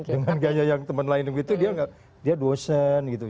dengan kayaknya yang temen lain begitu dia nggak dia docent gitu